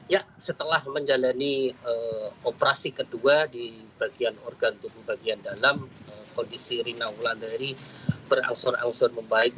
ya setelah menjalani operasi kedua di bagian organ tubuh bagian dalam kondisi rina wulandari berangsur angsur membaik